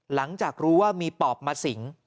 หลังจากรู้ว่ามีปอบมาสิง